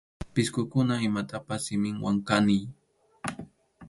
Pisqukuna imatapas siminwan kaniy.